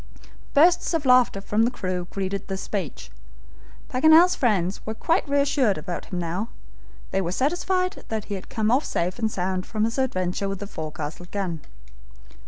Bursts of laughter from the crew greeted this speech. Paganel's friends were quite reassured about him now. They were satisfied that he had come off safe and sound from his adventure with the forecastle gun.